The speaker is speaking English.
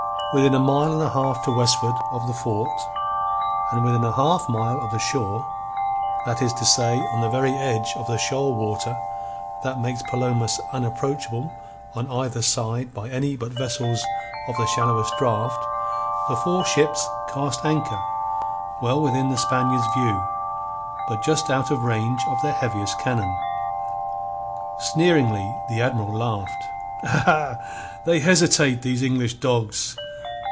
Within a mile and a half to westward of the fort, and within a half mile of the shore that is to say, on the very edge of the shoal water that makes Palomas unapproachable on either side by any but vessels of the shallowest draught the four ships cast anchor well within the Spaniards' view, but just out of range of their heaviest cannon. Sneeringly the Admiral laughed. "Aha! They hesitate, these English dogs!